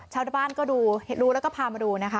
ชาวบ้านก็ดูรู้แล้วก็พามาดูนะคะ